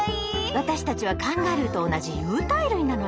私たちはカンガルーと同じ有袋類なのよ。